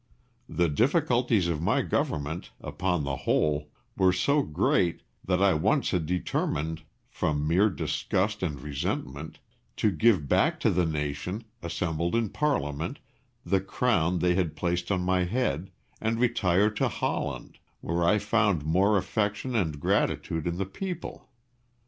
The difficulties of my government, upon the whole, were so great that I once had determined, from mere disgust and resentment, to give back to the nation, assembled in Parliament, the crown they had placed on my head, and retire to Holland, where I found more affection and gratitude in the people.